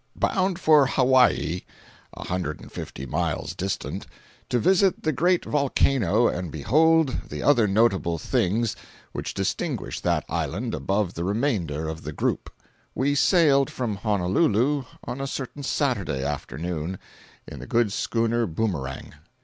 Bound for Hawaii (a hundred and fifty miles distant,) to visit the great volcano and behold the other notable things which distinguish that island above the remainder of the group, we sailed from Honolulu on a certain Saturday afternoon, in the good schooner Boomerang.